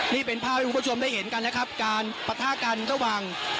นี่เป็นภาพให้คุณผู้ชมได้เห็นกันนะครับการปะทะกันระหว่าง